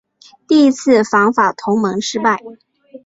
第一次反法同盟失败。